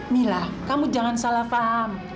mila kamu jangan salah paham